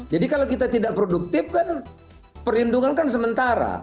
jadi kalau kita tidak produktif kan perlindungan kan sementara